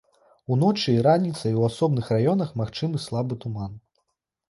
Уночы і раніцай у асобных раёнах магчымы слабы туман.